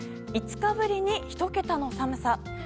５日ぶりに１桁の寒さ。